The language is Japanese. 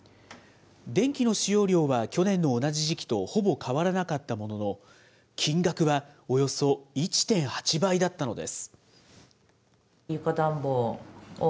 電気の使用量は去年の同じ時期とほぼ変わらなかったものの、金額はおよそ１．８倍だったのです。